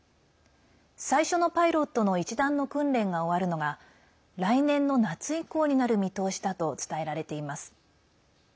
最初のパイロットの一団の訓練が終わるのが来年の夏以降になる見通しだと伝えられています。